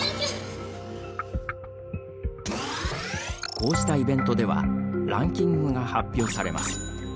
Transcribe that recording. こうしたイベントではランキングが発表されます。